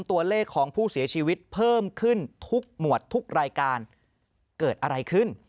ตัวเลขของผู้เสียชีวิตเพิ่มขึ้นทุกหมวดทุกรายการเกิดอะไรขึ้น